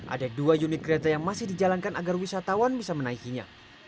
ada dua unit kereta yang masih dijalankan agar wisatawan bisa menaikinya